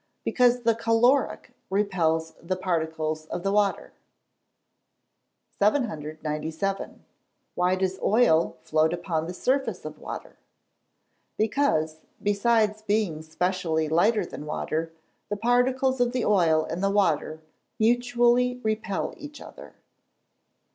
_ Because the caloric repels the particles of the water. 797. Why does oil float upon the surface of water? Because, besides being specially lighter than water, the particles of the oil and the water mutually repel each other.